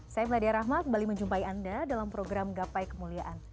saya meladia rahmat kembali menjumpai anda dalam program gapai kemuliaan